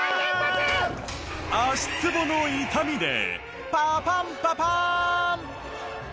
足つぼの痛みでパパンパパーン！